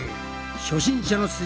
初心者のす